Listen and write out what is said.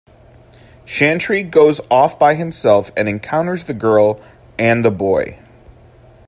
Chantry goes off by himself and encounters the girl and the boy.